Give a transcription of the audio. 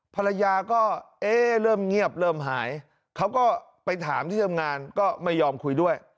ภรรยาก็เอ๊ะเริ่มเงียบเริ่มหายเขาก็ไปถามที่ทำงานก็ไม่ยอมคุยด้วย